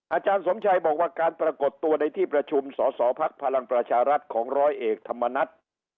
อาจารย์สมชัยบอกว่าการปรากฏตัวในที่ประชุมสอสอภักดิ์พลังประชารัฐของร้อยเอกธรรมนัฐ